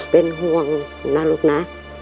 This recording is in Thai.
เป็นห่วงนะลูกนะ